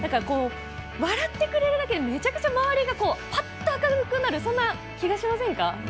笑ってくれるだけでめちゃくちゃ周りが、パッと明るくなるそんな気がしませんか。